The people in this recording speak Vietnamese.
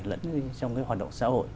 lẫn như trong cái hoạt động xã hội